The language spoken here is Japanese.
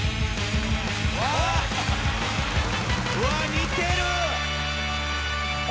似てる。